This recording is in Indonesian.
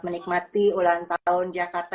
menikmati ulang tahun jakarta